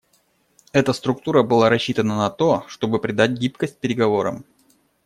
Эта структура была рассчитана на то, чтобы придать гибкость переговорам.